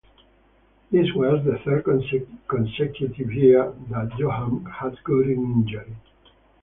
This was the third consecutive year that Johan had gotten injured.